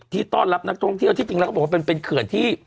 ต้อนรับนักท่องเที่ยวที่จริงแล้วก็บอกว่าเป็นเขื่อนที่